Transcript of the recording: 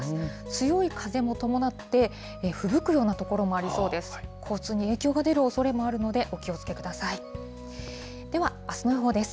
強い風も伴って、ふぶくような所もありそうです。